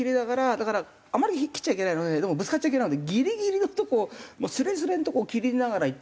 だからあまり切っちゃいけないのででもぶつかっちゃいけないのでギリギリのとこをもうスレスレのとこを切りながら行ったんですけどね。